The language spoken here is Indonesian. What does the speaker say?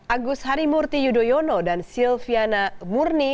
agus harimurti yudhoyono dan silviana murni